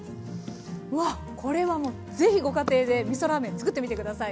うわっこれはもうぜひご家庭でみそラーメンつくってみて下さい。